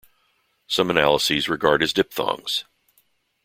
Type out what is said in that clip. Some analyses regard as diphthongs.